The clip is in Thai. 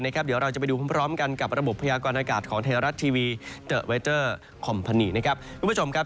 คุณผู้ชมครับ